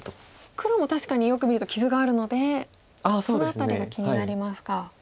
黒も確かによく見ると傷があるのでその辺りが気になりますか。